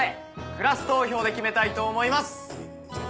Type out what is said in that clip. クラス投票で決めたいと思います。